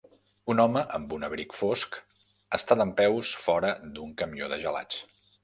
Un home amb un abric fosc està dempeus fora d'un camió de gelats.